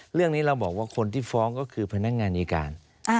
เรื่องนี้เราบอกว่าคนที่ฟ้องก็คือพนักงานอายการ